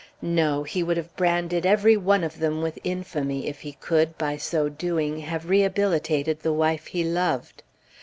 No; he would have branded every one of them with infamy, if he could, by so doing, have rehabilitated the wife he loved.